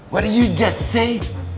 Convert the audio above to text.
what did you just say